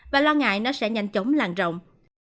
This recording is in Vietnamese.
và lo ngại nó sẽ nhanh chóng làn rộng